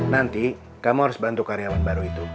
nanti kamu harus bantu karyawan baru itu